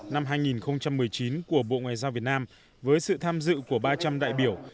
năm hai nghìn một mươi chín của bộ ngoại giao việt nam với sự tham dự của ba trăm linh đại biểu